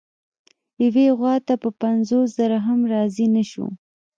یوې غوا ته په پنځوس زره هم راضي نه شو.